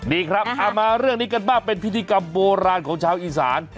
ดีครับเอามาเรื่องนี้กันบ้างเป็นพิธีกรรมโบราณของชาวอีสาน